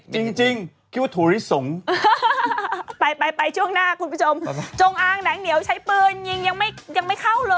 ไปช่วงหน้าคุณผู้ชมจงอ้างหนังเหนียวใช้ปืนยิงยังไม่เข้าเลย